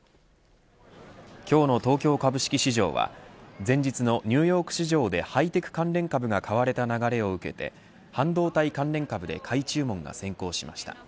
今日の東京株式市場は前日のニューヨーク市場でハイテク関連株が買われた流れを受けて半導体関連株で買い注文が先行しました。